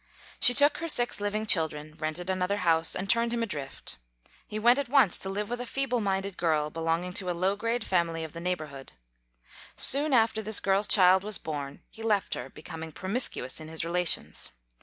She took her six living children, rented another house and turned him adrift. He went at once to live with a feeble minded girl belonging to a low grade family of FACTS ABOUT THE KALLIKAK FAMILY 75 the neighborhood. Soon after this girl's child was born he left her, becoming promiscuous in his relations.